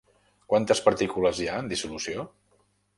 Quantes partícules hi ha en dissolució?